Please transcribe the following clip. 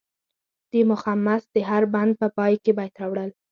د مخمس د هر بند په پای کې بیت راوړل.